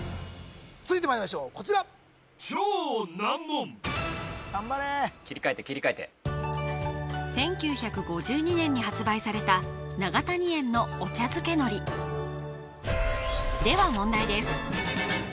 続いてまいりましょうこちら・頑張れ・切り替えて切り替えて１９５２年に発売された永谷園のお茶づけ海苔では問題です